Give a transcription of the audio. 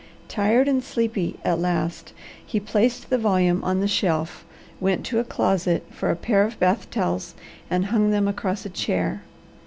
Tired and sleepy, at last, he placed the volume on the shelf, went to a closet for a pair of bath towels, and hung them across a chair.